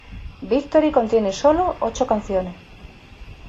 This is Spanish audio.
Victory contiene "sólo" ocho canciones.